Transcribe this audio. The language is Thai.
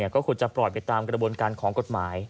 ก็ควรจะปล่อยไปตามกระบวนการของกฎหมาย